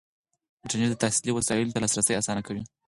انټرنیټ د تحصیلي وسایلو ته لاسرسی اسانه کوي.